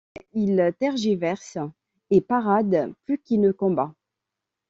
Mais il tergiverse et parade plus qu'il ne combat.